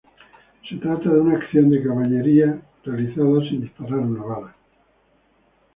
Se trata de una acción de caballería realizada sin disparar una bala.